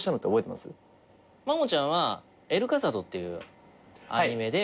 まもちゃんは『エル・カザド』っていうアニメで。